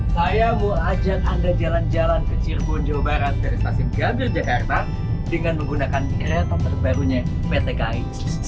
saya mau ajak anda jalan jalan ke cirebon jawa barat dari stasiun gambir jakarta dengan menggunakan kereta terbarunya pt kai